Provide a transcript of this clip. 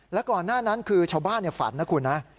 แล้วก่อนหน้านั้นคือชาวบ้านฝันนะคุณนะ